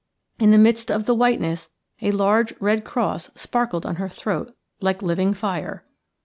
In the midst of the whiteness a large red cross sparkled on her throat like living fire.